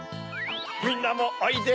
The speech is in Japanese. みんなもおいで！